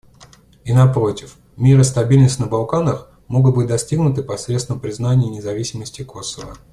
И напротив, мир и стабильность на Балканах могут быть достигнуты посредством признания независимости Косово.